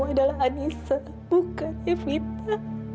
adalah anissa bukan evita